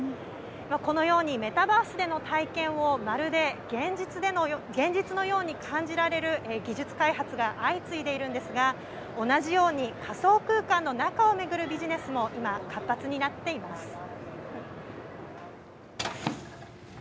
このようにメタバースでの体験を、まるで現実のように感じられる技術開発が相次いでいるんですが、同じように仮想空間の中を巡るビジネスも今、活発になっています。